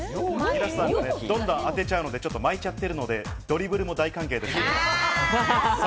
皆さんどんどん当てちゃって、巻いてるので、ドリブルも大歓迎です。